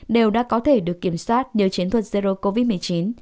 đều đã có thể được kiểm soát nhờ chiến thuật zero covid một mươi chín